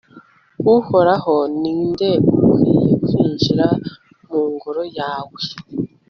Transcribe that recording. uhoraho, ni nde ukwiye kwinjira mu ngoro yawe